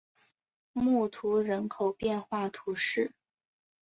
穆图人口变化图示